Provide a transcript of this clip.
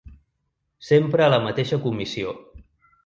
Sempre a la mateixa comissió.